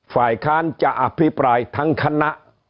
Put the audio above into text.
ฝ่ายค้านจะอภิปรายทั้งคณะ